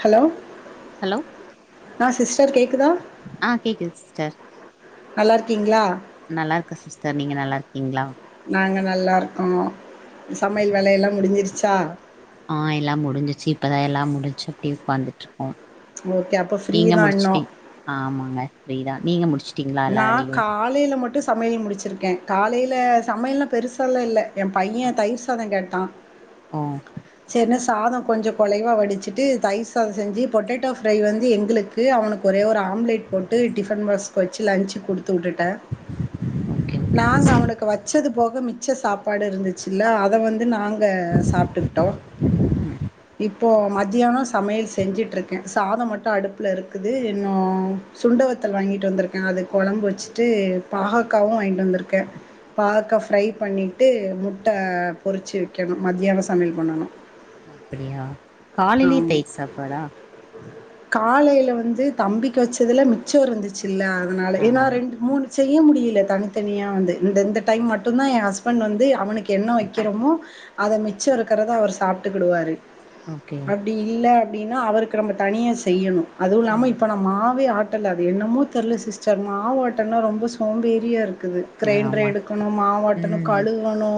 Hello hello ஆ sister கேக்குதா ஆ கேக்குது சிஸ்டர் நல்லா இருக்கீங்களா நல்லா இருக்கோ சிஸ்டர் நீங்க நல்லா இருக்கீங்களா நாங்க நல்லா இருக்கோ சமையல் வேலையெல்லா முடிஞ்சிருச்சா ஆ எல்லா முடிஞ்சிச்சு இப்பதா எல்லா முடிச்சு அப்டியே உக்காந்துட்டுருக்கோ ஓகே அப்ப ஃப்ரீ நீங்க தா இன்னு முடிச்சுட்டீங் ஆமாங்க ஃப்ரீ தா நீங்க முடிச்சி நா காலையில மட்டு சமையல் முடிச்சிருக்கே காலையில சமையல்லா பெருசால்லா இல்ல எ ஆ பைய தயிர் சாத கேட் டா ஓ சேரினு சாதம் கொஞ்சோ குலைவா வடிச்சுட்டு தயிர் சாதம் செஞ்சு பொட்டேட்டோ ஃப்ரை வந்து எங்களுக்கு அவனுக்கு ஒரே ஒரு ஆம்லேட் போட்டு டிஃபன் பாக்ஸ் வச்சு லஞ்சு குடுத்து வுட்டுட்டே ஓகே ஓகே நாங்க சிஸ்டர் அவனுக்கு வச்சது போக மிச்ச சாப்பாடு இருந்துச்சுல்ல அத வந்து நாங்க சாப்ட்டுக்கிட்டோ இப்போ மதியானோ சமையல் செஞ்சுட்டுருக்கே சாதம் மட்டு அடுப்பில இருக்குது இன்னு சுண்டவத்தல் வாங்கிட்டு வந்தருக் அது கொழம்பு வச்சுட்டு பாகாக்காவு வாங்கிகிட்டு வந்திருக்கே பாகாக்காய் ஃப்ரை பண்ணிட்டு முட்ட பொறிச்சு வைக்கணு மதியானோ சமையல் பண்ணணு அப்படியா காலலேயே ஆமா தயிர் சாப்பாடா காலையில வந்து தம்பிக்கு வச்சதுல மிச்சோ இருந்துச்சு இல்ல அதனால ஏன்னா ஆமா ரெண்டு மூணு செய்ய முடியல தனித்தனியா வந்து இந்த இந்த டைம் மட்டுதா என் ஹஸ்பண்ட் வந்து அவனுக்கு என்ன வைக்கிறோமோ அத மிச்சோ இருக்கிறத அவர் சாப்ட்டுக்கிடுவாரு ஓகே அப்டி இல்ல அப்டின்னா அவருக்கு நம்ம தனியா செய்யணு அதுவ இல்லாம ம் இப்ப நம்ம மாவே ஆ ஆட்டல அது என்னமோ தெரில சிஸ்டர் மாவு ஆட்டுனா ரொம்ப சோம்பேரியா இரு க்குது கிரைண்டர ஆமா எடுக்கணு மாவாட்டணு ம் கழுவணு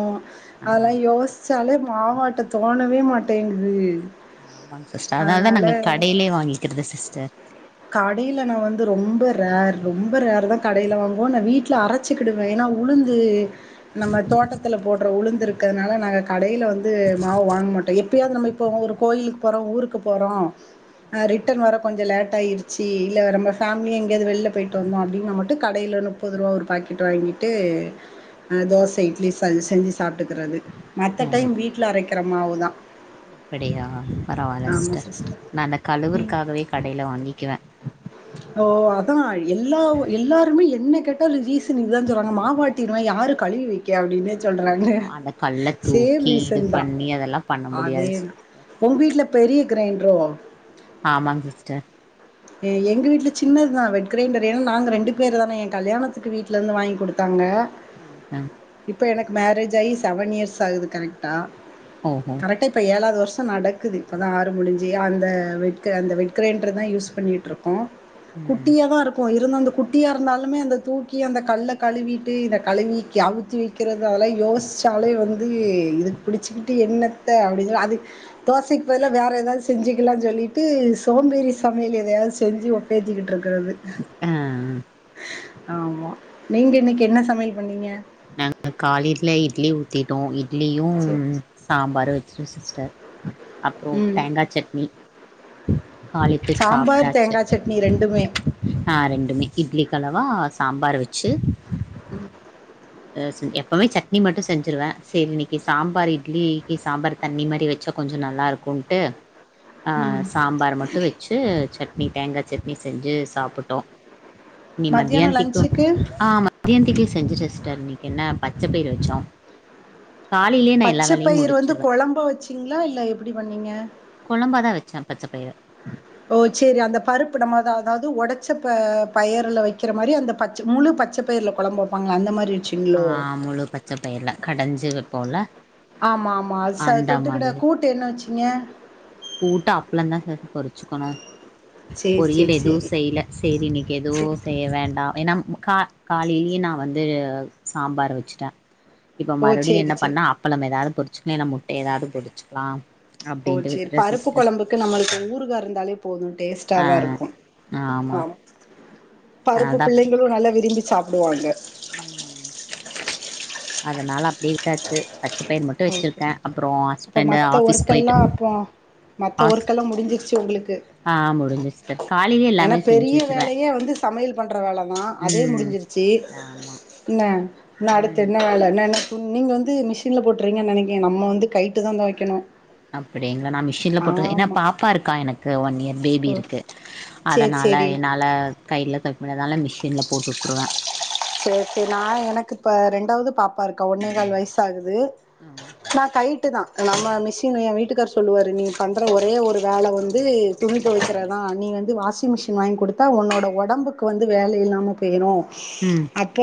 ஆ அதெல்லா யோசி சாலேமாவாட்ட தோணவே மாட்டேங்குது ஆமாங் சிஸ்டர் அதனால தா நாங்க கடையிலயே வாங்கிக்கிறது சிஸ்டர் கடையில நா வந்து ரொம்ப ரேர் ரொம்ப ரேர் தா கடையில வாங்குவோ நா வீட்டில அரைச்சிக்கிடுவே ஏன்னா உளுந்து நம்ம தோட்டத்துல போடுற உளுந்திருக் இருகதுனால நாங்க கடையில வந் து மாவு வாங்க மாட்டோ எ அப்படியது நம்ம இப்போ ஒரு கோயிலுக்கு போறோ ஊருக்கு போறோ ஆ ரிட்டர்ன் வர கொஞ்சோ லேட் ட ஆயிடுச்சி இல்ல நம்ம ஃபேமலி எங்கேயாவது வெளில போயிட்டு வந்தோ அப்படினா நம்மட்டு கடையில முப்பது ரூவா ஒரு பாக்கெட் வாங்கிட்டு அ தோச இட்லி சஞ் செஞ்சு சாப்பிட்டுக்கிறது மத்த ஓ டைம் வீட்டில அரைக்க அரைக்கிரமாவு தா அப்படியா பரவாயில்ல சிஸ்டர் நா அந்த கழவுவற்காகவே கடையில வாங்கிக்குவே ஓ அதா எல்லா எல்லாருமே என்ன கேட்டா ஒரு ரீசன்க்கு தா சொல்றாங்க மாவட்டினா யாரு கழுவி வைக்க அப்படின்னு சொல்றாங்களே ஆ அந்த கல்ல சேம் தூக்கி இது ரீசன் தா பண்ணி அதெல்லா பண்ண அதே முடியாது தா சிஸ்டர் உங்க வீடல பெரிய கிரைண்டரோ ஆமாங்க சிஸ்டர் அ எங்க வீட்டில சின்னது தா வெட் கிரைண்டர் ஏன்னா நாங்க ரெண்டு பேர் தானே எ கல்யாணத்துக்கு வீட்டிலேருந்து வாங்கி கொடுத்தாங்க ஓ அ மேரேஜ் ஆகி செவன் இயர்ஸ் ஆகுது கரெக்டா ஓஹோ கரெக்டா இப்ப ஏழாவது வருஷ நடக்குது இப்பதா ஆறு முடிஞ்சு அந்த வெட்க அந்த வெட்கிரைண் [unintelligible] தா யூஸ் பண்ணிட் இருக் கு ம் குட்டியா தா இருக்கு அந்த குட்டியா இருந்தாலுமே அந்த தூக்கி அந்த கல்ல கழுவிட்டு இந்த கழுவி அவுத்தி வைக்கிறது அதெல்லா யோசிச்சாலே வந்து இதுக்கு பிடிச்சக்கிட்டு என்னத்த அப்படின்னு சொ அது தோசைக்கு பதிலா வேற ஏதாவது செஞ்சுக்கலாம்னு சொல்லிட்டு சோம்பேறி சமையல் எதையாவது செஞ்சு ஒப்பேத்திக்கிட்டு இருக்கிறது [unintelligible] ஆ ஆமா நீங்க இன்னைக்கு என்ன சமையல் பண்ணீங்க நாங்க காலையில இட்லி ஊ த்திட்டோ இட்லியும் சரி. சாம்பார் [unintelligible] சிஸ்டர் அப்புறோ ம். தேங்கா சட்னி காலத்துக்கு சாம்பார், சாப்பிட்டாச்சு தேங்கா சட்னி ஆ ரெண்டுமே இட்லிக்கு கலவா சாம்பார் வச் ட்சு ம் அ எப்பவுமே சட்னி மட்டு செஞ்சிருவே சேரி இன்னைக்கு சாம்பார் இட்லிக்கு சாம்பார் தண்ணி மாரி வச்சா கொஞ்சோ நல்லா இருக்கும்ட்டு ஆ ம். சாம்பார் மட்டு வச்சு சட்னி தேங்கா சட்னி செஞ்சு சாப்பட்டோ நீ மத்தியானோ மத்தியானத்துக்கு லன்ச்சுக்கு ஆ மத்தியானத்துக்கு செஞ்சுட்டு இன்னைக்கு என்ன பச்சைப்பயர் வச்சோம் பச்சப்பயிர் வந்து குழம்ப வச்சீங்களா இல்ல எப்படி பண்ணீங்க கொழம்பாதான் வச்சேன் பச்ச பயிர ஓ சேரி அந்த பருப்பு நம்ம அதாவது உடைச்ச பயர்ல வைக்கிற மாதிரி அந்த பச்சை முழு பச்சை பயர்ல குழம்பு வைப்பாங்கள அந்த மாதிரி ஆஹ் முழு பச்சை பயர்ல கடஞ்சு இது வைப்போம்ல ஆமா ஆமா ஸ தொட்டுக்கிட்ட கூட்டு என்ன வச்சு ஏன் கூட்டு அப்புளந்தான் செஞ்சு பொறிச்சுக்கணும் சேரி பொரியல் சேரி எதுவும் சேரி செய்ல செரி இன்னைக்கு சேரி எதுவும் செய்ய வேண்டாம் ஏன்னா கா காலையிலயே நான் வந்து ஆ சாம்பார் வச்சுட்டேன் இப்ப ஓ மறுபடியும் சேரி என்ன சேரி பண்ணா அப்பளம் ஏதாவது பொரிச்சக்க மு ஏதாவது புடிச்சுக்கலாம் ஓ அப்டின்ட்டு வி சேரி பருப்பு கொழம்புக்கு நம்மளுக்கு ஊறுகாய் இருந்தாலே போதும் ஆ டேஸ்ட்டாதான் இருக்கும் ஆமா பருப்பு அதனாலதா அப்டி பிள்ளைங்களும் நல்லா விரும்பி சாப்டுவாங்க ம் அதனால அப்படி விட்டாச்சு பச்சை பயர் மட்டும் ஓகே வச்சிருக்கேன் அப்புறம் அப்ப ஹஸ்பண்ட் மத்த ஆஃபிஸ் ஒர்க்கெல்லா போயிட்டு அப்போ மத்த ஆஹ் ஒர்க்கெல்லா முடிஞ்சிருச்சு உங்களுக்கு ஆஹ் முடிஞ்சிச்சு ஏன்னா பெரிய வேலையே வந்து சமையல் பண்ற வேலதான் அதே ம் முடிஞ்சிருச்சு ஆமா என்ன என் அடுத்த ம் என்ன வேலை என்னன நீங்க வந்து மிஷின்ல போட்ருவிங்க நினைக்கேன் நம்ம வந்து கைட்ட தான் துவைக்கணும் அப்படிங்களா நான் மிஷின்ல போட்ருதே என்ன பாப்பா இருக்கா எனக்கு ஒன் இயர் பேபி ஓ இருக்கு சேரி அதனால சேரி என்னால கையில தோவப்பனால மிஷின்ல போட்டு விட்டுருவேன் சரி சரி நான் எனக்கு இப்ப ரெண்டாவது பாப்பா இருக்கா ஒன்னே கால் வயஸ் ஆகுது ஆ குது நான் கை வட்டு தான் நம் நம்ம மிஷின் என் வீட்டுக்கார் சொல்லுவாரு நீ பண்ணுற ஒரே ஒரு வேலை வந்து துணி துவைக்கிறதான் நீ வந்து வாஷிங் மிஷின் வாங்கி கொடுத்தா உன்னோட உடம்புக்கு வந்து வேலை இல்லாமல் போயிடும் ம் ஆ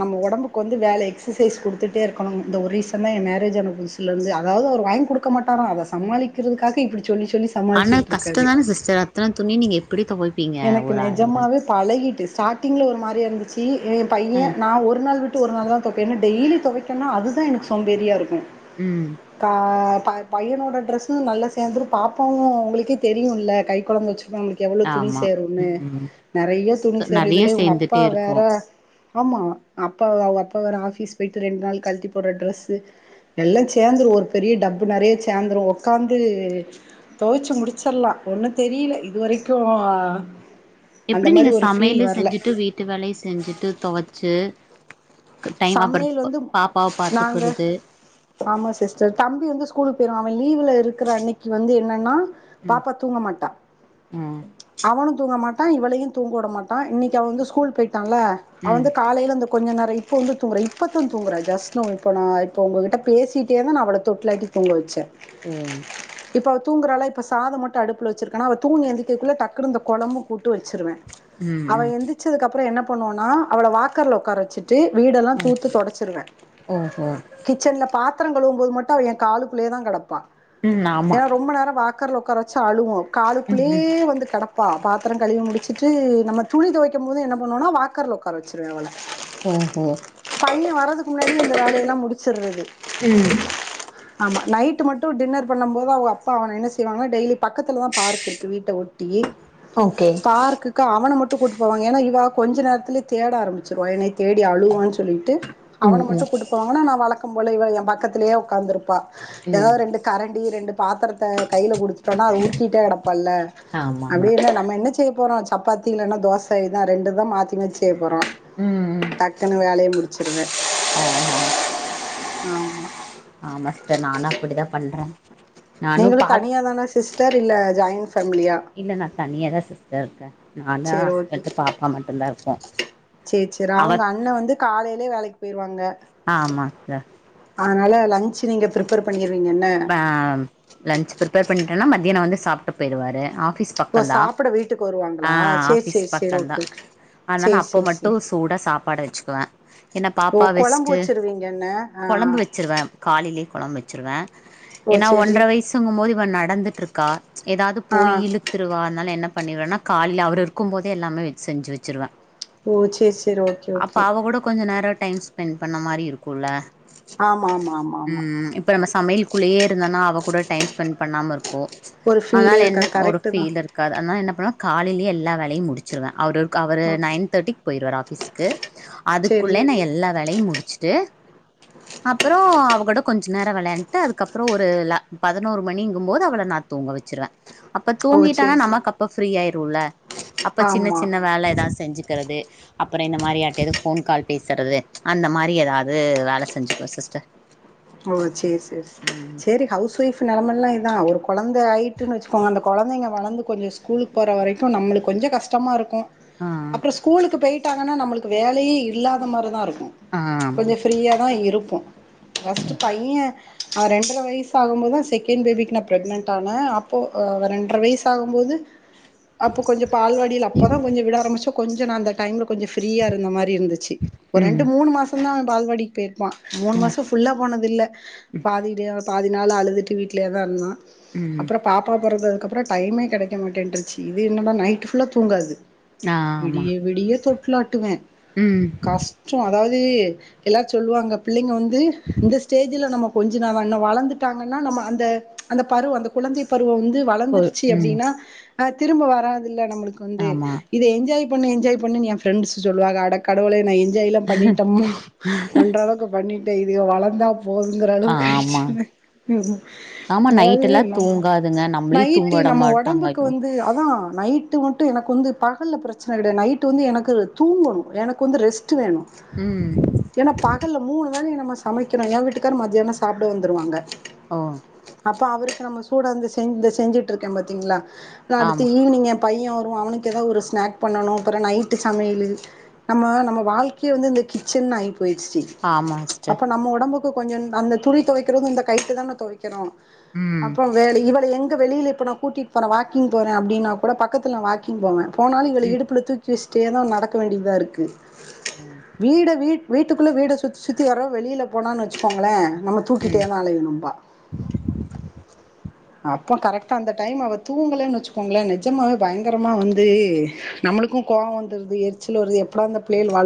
நம்ம உடம்புக்கு வந்து வேலை எக்சசைஸ் கொடுத்துட்டே இருக்கணும் இந்த ஒரீசன்தா என் மேரேஜ் புதுசுல இருந்து அதாவது அவர் வாங்கி கொடுக்க மாட்டர அத சமாளிக்கிறதுக்காக இப்டி சொல்லி சொல்லி ஆனா சமாளிச்சுட்டு கஷ்ட இருக்காரு தானே சிஸ்டர் அத்தன துணியு நீங்க எப்டி தொவைப் எனக்கு நெஜமாவே பழகிட்டு ஸ்டார்டிங்ல ஒரு மாரி இருந்துச்சு ஏ ஆ பைய நா ஒரு நாள் விட் விட்டு ஒரு நாள் தொவப்பே என்ன டெய்லியு தொவைக்கனா அதுதா எனக்கு சோம்பேரியா இருக்கு ம் கா ப பையனோட டிரரெஸ்சு நல்ல சேந்துரு பாப்பாவு உங்களுக்கே தெரியுல கை குழந்த வச்சிரு [unintelligible] துணி ஆமா சேரும்ன்னு ம் நெறய துணி சேரு நெறைய இதுல இவங்க அப்பா சேந்துட்டே வேற இருக்கு ஆமா அப்பா அவுங்க அப்பாவோட ஆஃபீஸ் போயிட்டு ரெண்டு நாள் கழட்டி போடுற ட்ரெஸ்ஸு எல்லா சேந்துடு ஒரு பெரிய டப்பு நெறய சேந்துடு உட்காந்து தொவைச்சு முடிச்சிடலா ஒன்னு தெரியல இதுவரைக்கு ஆ எப்டி நீங்க சமையலு செஞ்சுட்டு வீட்டு வேல செஞ்சுட்டு தொவச்சு [inaudible] சமையல் அப்புற வந்து பாப்பாவ நாங்க பாத்துக்குறது ஆமா சிஸ்டர் தம்பி வந்து ஸ்கூலுக்கு போயிர்வா அவ லீவ்ல இருக்ற அன்னைக்கு வந்து என்னன்னா ம் பாப்பா தூங்க மாட்டா ம் அவனுக் தூங்க மாட்டா இவளையு தூங்க உடமாட்டா இன்னைக்கு அவ வந்து ஸ்கூல் போயிட் டால அவ ம் வந்து காலைல ந்து கொஞ்சோ நெறை இப்போ வந்து தூங்கறா இப்போதா தூங்குறே ஜஸ்ட் நவ் இப்போ நா இப்போ உங் கிட்ட பேசிகிட்டேதா நா அவள தொட்டிலாட்டி தூங்க வச்சே ம் இப்ப அவ தூங்கறாலா இப்ப சாத மட்டு அடுப்புல வச்சிருக்கான அவ தூங்கி எந்திரிக்கறதுக்குள்ள டக்குனு இந்த குழம்பு கூட் டு வச்சிருவே ம் அவ ம் எந்திச்சது அப்றோ என்ன பண்ணுவனா அவள வாக்கர்ல உடக்கார வச்சிட் டு வீடெல்லா ஓ தூத்தி தொடச்சிருவே ஓஹோ கிச்சன்ல பாத் பாத்ர கழுவும் போது மட்டு அவ எ காளுக்குக்குள்ளோதா கெடப்பா ம் ஆமா ஏன்னா ரொம்ப நேர வா வாக்கர்ல உக்கார வச்சா அழுவு ம் ம் காலக்குள்ளேயே வந்து கெடக் ப்பா பாத்திர கழிவி முடிச்சுட்டு நம்ம துணி துவைக்கு போது என்ன பண்ணுவேனா வாக்கர்ல உக்கார வச்சுருவே அவள ஓஹோ பையன் வறதுக்கு முன்னாடி இந்த வேலையெல்லாம் முடிச்சறது ம் ஆமா நைட்டு மட்டும் டின்னர் பண்ணும் போது அவுங்க அப்பா அவனை என்ன செய்வாங்கானா டெய்லி பக்கத்தல தா பார்க் இருக்கு வீட்ட ஒட்டி ஓகே பார்க்குக்கு அவ மட்டும் கூட்டு போவாங்க இவ கொஞ்ச நேரத்லே தேட ஆரம்பிச்சிருவா என்னைய தேடி அழுவான்னு சொல்லிட்டு அவனை ம் ம் மட்டும் கூட்டுப்போவாங்கன்னா நான் வழக் போல இவள என் பக்கத்திலயே உட்காந்துருப்பா ம் ஏதாவது ரெண்டு கரண்டி ரெண்டு பாத்திரத்தை கையில் குடு பட்டோம்னா அது உருட்டிட்டே கிடப்பல ஆமா ஆமா அப்படின்னா நம்மன செய்ய போறோம் சப்பாத்தி இல்லைன்னா தோசை இதுதான் ரெண்டு தான் மாத்தி மாத்தி செய்ய போறோம் ம் ம் டக்குனு வேலைய முடிச்சிருவேன் ஓஹோ ஆமா ஆமா சிஸ்டர் நானும் அப்படிதான் பண்றேன் நீங்களும் தனியா தானா சிஸ்டர் இல்ல ஜாயின்ஃபேமிலியா ச இருக்கேன் ஆனா ஹஸ்பெண்ட் பாப்பா மட்டும் தான் இருக்கோம் சேரி சேரி அவங்க அண்ணன் வந்து காலையிலயே வேலைக்கு போயிடுவாங்க ஆமா சிஸ்டர் லஞ்ச் நீங்க பிரிப்பர் பண்ண ஆஹ் லன்ஞ்ச் பிரிப்பர் பண்ணிட்டேன்னா மதியானம் வந்து சாப்பிட்டு போய்டுவாரு ஆபிஸ் ஓ பக்கம் தான் சாப்பிட வீட்டுக்கு ஹா வருவாங்களா சேரி ஆபிஸ் சேரி சேரி பக்கம் தான் ஓகே ஓகே அதனால சேரி அப்போ சேரி மட்டும் சேரி சூடா சாப்பாடை வச்சுக்குவேன் என்ன ஓ பாப்பா கொழம்பு வச்சுட்டு வச்சிருவீங்க என்ன ஆ குழம்பு வச்சிருவேன் காலையிலயே குழம்பு வச்ச வச்சுடுவேன் ஓ ஏன்னா சேரி ஒன்றரை வயசுங்கும் போது இப்போ நடந்துட்டு இருக்கா ஏதாவது ஆ போய் இழுத்துருவனால என்ன பண்ணிடுறேன்னா காலையில அவர் இருக்கும் போதே எல்லாமே செஞ்சு வச்சுருவேன் ஓ சேரி சேரி ஓகே ஓகே கூட கொஞ்ச நேரோ டைம் ஸ்பென்ட் பண்ண மாதிரி இருக்கும்ல்ல ஆமா ஆமா ஆமா ஆமா உம் இப்ப நம்ம சமையல் குள்ளேயே இருந்தனா அவ கூட டைம் ஸ்பெண்டட் பண்ணாம இருக்கும் ஒரு அதுனால ஃபீலே என்ன இருக்காது ஒரு கரெக்ட்டு தா ஃபீல் இருக்காது அதுனால என்ன பண்ணும் காலையிலயே எல்லா வேலையும் முடிச்சிருவவேன் அவரு அவரு ஓகே நைன் தேர்டி போயிருவார் ஆபிஸு அதுக்குள்ள சேரி ந எல்லா வேலையும் முடிச்சுட்டு அப்புறம் அவ கூட கொஞ்சம் நேரம் விளையாண்டு அதுக்கப்புறம் ஒரு பதினோரு மணிங்கும் போது அவளை நா தூங்க வச்சுருவேன் அப்ப ஓ தூங்கிட்டானா சேரி நமக்கு அப்ப ஃப்ரீ ஆயிரும்ல அப்ப சின்ன ஆமா சின்ன வேலை ஏதான் செஞ்சு இருகிறது அப்புறம் இந்த மாதிரி யார்கிட்டபோன் கால் பேசுறது அந்த மாதிரி ஏதாவது வேலை செஞ்சுக்குவேன் சிஸ்டர் ஓ செரி செரி ம் செரி ஹவுஸ் ஒய்ஃப் நிலைமைல்லாம் இதான் ஒரு குழந்தை அந்த ஹட்டுன்னு வச்சுக்கோங்க அந்த குழந்தை வளந்து கொஞ்சம் ஸ்கூலுக்கு போகிற வரைக்கும் நம்மளுக்கு கொஞ்சம் கஷ்டமாக இருக்கும் ஆ இருக்கும் ஆ அப்புறம் ஸ்கூலுக்கு போயிட்டு ட்டாங்கன்னா நம்மளுக்கு வேலையே இல்லாத மாதிரி தான் இருக்கும் ஆ கொஞ்சம் ஆமா ஃப்ரீயா தான் இருப்போம் ரெண்டரை வயசு ஆகும் போதுதான் செகண்ட் பேபிக்கு நான் ப்ரெக்னன்ட் ஆனேன் அப்போ ரெண்டரை வயசு ஆகும்போது அப்போ கொஞ்சம் பால்வடியில அப்பதான் கொஞ்சம் விட ஆரம்பிச்சோம் கொஞ்சம் அந்த டைம்ல கொஞ்சம் ப்ரியா இருந்த மாதிரி இருந்துச்சு ஒரு ரெண்டு ம் மூணு மாசம் தான் பால்வாடி பேர் பா மூணு ஆ மாசம் புல்லா போனது இல்ல பாதியிலே பாதி அதனால அழுதுட்டே வீட்டிலேயே தான் இருந்தான் ம் அப்புறம் பாப்பா பொறந்தது அதுக்கப்புறம் டைமே கிடைக்கமட்டேன்ருச்சு இது என்னடா நைட் ஃபுல்லா தூங்காது ஆ ஆமா விடிய விடிய தொ பளோட்டுவேன் ம் கஷ்டம் அதாவது இது எல்லாம் சொல்லுவாங்க பிள்ளைங்க வந்து இந்த ஸ்டேஜ்ல நம்ம கொஞ்ச ந வளர்ந்துட்டாங்கன்னா நம்ம அந்த அந்த பருவ அந்த குழந்தை பருவ இப்ப வந்து போ வளந்துருச்சு ம் அப்டின்னா ஆ திரும்ப வராது இல்ல நம்மளுக்கு வந்து ஆமா இத என்ஜாய் என் பண்ணு என்ஜாய் பண்ணினு எஃப்ரண்ஸ் சொல்லுவாங்க அட கடவுளே நா ஏ என்ஜாயல்லா பண்ணிட்டோமான பண்ற அளவுக்கு பண்ணிட் இவளந்தா போதுங்கிற ஆ அளவுக்கு கழிச்ச ஆமா ஆமா நைட் அதாவது எல்லா தூங்காதுங்க நம்மளையு தூங்க நைட்டு விட நம்ம மாட்டாங்க ஒடம்புக்கு ஐயோ வந்து அதா நைட்டு மட்டு எனக்கு குவந்து பகல்ல பிரச்சன கடையாது நைட் வந்து எனக்கு தூங்கணு எனக்கு வந்து ரெஸ்ட் ட்வேணு ம் ஏன்னா பகல்ல மூணு வேலய நம்மஸ் சமைக்கணு எ வீட்டுக்காரரு மதியியானோ சாப்பிட வந்துருவாங்க ஓ அப்போ அவருக்கு நம்ம சூடா வந்து செஞ்ச செஞ்சிட்டுருக்கே பாத்தீங்களா அடுத்து ஆமா ஈவினிங் எப் பையே வருவா அவனுக்கு ஏதாவது ஒரு ஸ்னாக் பண்ணுனு அப்புற நைட்டு் சமையல் நம்ம நம்ம வாழ்க்கயே வந்து இந்த கிச்சன் ஆயிட் பொய்சி ஆமா சிஸ்டர் அப்ப நம்ம ஒடம்புக்கு கொஞ்ச அந்த துணி துவைக் இத்தனைக்கு இந்த கைட்டு தான துவைக் க்கிறோ ம் அப்புற வேல இவள எங் வெளில இப்ப நா கூட்டிட்டு போர வாக்கிங் போறே அப்பின்னா கூட பக்கத்துல வாக்கிங் போவே போனாலு இவள இடுப்புல தூக்கி வச்சி இப்டியேதா நடக்க வேண்டியதா இருக்கு ம் வீட விட் வீட்டுக்குள்ள வீட சுத்தி சுத்தி வர வெளில போனான்னு வச்சுக்கோங்களே நம்ம தூக்கிட்டே ம் தா அலையணும்பா அப்போ கரெக்டா அந்த டைம் அவ தூங்களேன்னு வச்சுக்கோங்களே நிஜமாவே பயங்கரமா வந்து நம்மளுக்கு கோவம் வந்துறது எரிச்சல் வறது எப்படா அந்த பிள்ளேள் வளத்